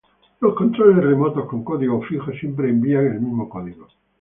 Los controles remotos con "código fijo" siempre envían el mismo código.